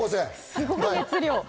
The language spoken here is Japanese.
すごい熱量。